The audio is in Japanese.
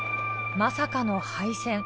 まさかの敗戦。